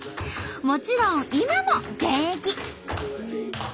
もちろん今も現役！ＯＫ！